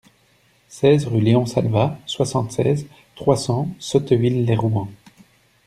seize rue Léon Salva, soixante-seize, trois cents, Sotteville-lès-Rouen